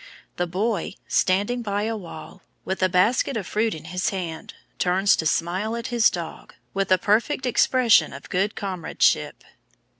The boy, standing by a wall, with a basket of fruit in his hand, turns to smile at his dog, with a perfect expression of good comradeship.